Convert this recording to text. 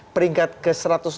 peringkat ke satu ratus enam puluh